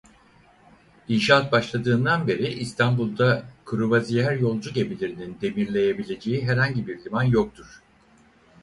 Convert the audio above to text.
İnşaat başladığından beri İstanbul'da kruvaziyer yolcu gemilerinin demirleyebileceği herhangi bir liman yoktur.